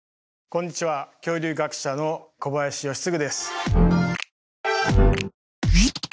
こんにちは恐竜学者の小林快次です。